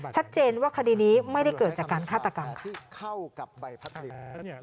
ชัดเจนว่าคณะนี้ไม่ได้เกิดจากการฆาตกรรม